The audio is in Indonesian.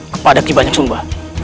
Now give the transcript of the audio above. kepada kibanyak sumba